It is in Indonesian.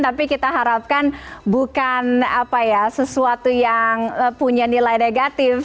tapi kita harapkan bukan sesuatu yang punya nilai negatif